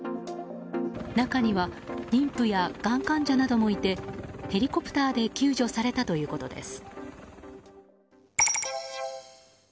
中には、妊婦やがん患者などもいてヘリコプターで救助されたということです。